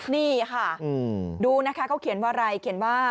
นี่ค่ะดูนะคะเขาเขียนอะไรเขียนว่า